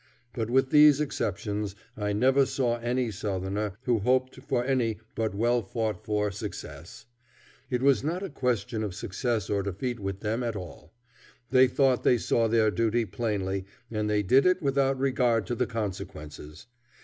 But with these exceptions I never saw any Southerner who hoped for any but well fought for success. It was not a question of success or defeat with them at all. They thought they saw their duty plainly, and they did it without regard to the consequences.